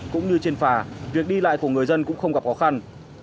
cũng như trên phà việc đi lại của người dân cũng không gặp khó khăn